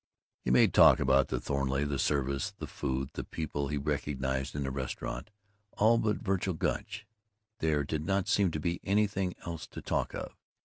He made talk about the Thornleigh, the service, the food, the people he recognized in the restaurant, all but Vergil Gunch. There did not seem to be anything else to talk of.